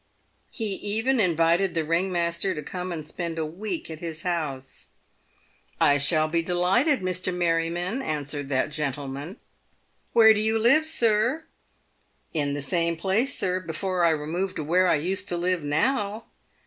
He even invited the ring master to come and spend a week at his house. " I shall be de lighted, Mr. Merryman," answered that gentleman. " Where do you live, sir?" — "In the same place, sir, before I removed to where I used to live now."